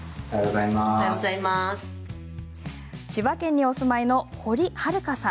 千葉県にお住まいの堀はるかさん。